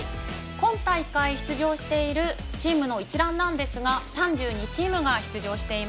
今大会出場しているチームの一覧ですが３２チームが出場。